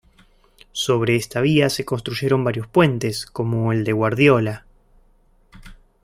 Sobre esta vía se construyeron varios puentes, como el de Guardiola.